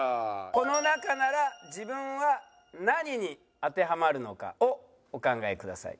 この中なら自分は何に当てはまるのかをお考えください。